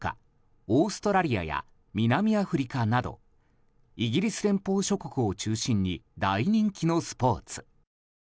オーストラリアや南アフリカなどイギリス連邦諸国を中心に大人気のスポーツ。